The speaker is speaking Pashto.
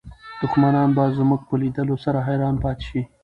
دښمنان به زموږ په لیدلو سره حیران پاتې شي.